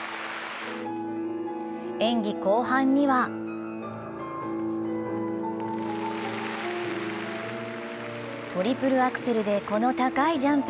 演技後半にはトリプルアクセルでこの高いジャンプ。